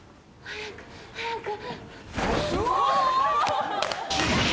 ・早く早く。